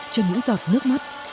cho những giọt nước mắt